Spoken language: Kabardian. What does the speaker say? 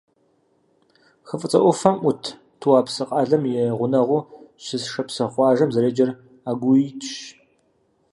Хы ФIыцIэ Iуфэм Iут ТIуапсы къалэм и гъунэгъуу щыс шапсыгъ къуажэм зэреджэр Агуийщ.